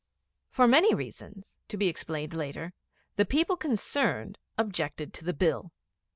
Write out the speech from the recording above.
For many reasons, to be explained later, the people concerned objected to the Bill.